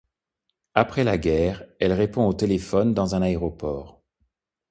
Après la guerre, elle répond au téléphone dans un aéroport.